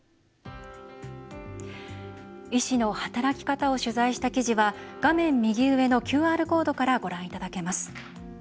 医師の働き方を取材した記事は画面右上のＱＲコードからご覧いただけます。